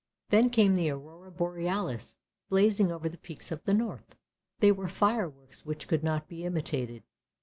Then came the Aurora Borealis blazing over the peaks of the north; they were fireworks which could not be imitated.